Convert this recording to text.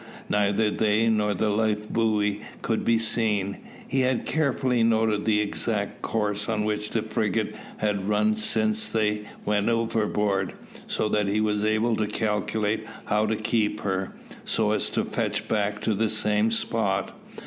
Neither they nor the life buoy could be seen. He had carefully noted the exact course on which the frigate had run since they went overboard, so that he was able to calculate how to keep her, so as to fetch back to the same spot.